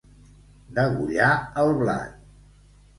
Degollar el blat.